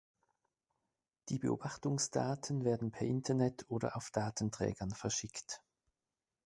Die Beobachtungsdaten werden per Internet oder auf Datenträgern verschickt.